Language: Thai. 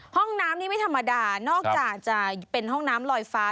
ห้องน้ำนี้ไม่ธรรมดานอกจากจะเป็นห้องน้ำลอยฟ้า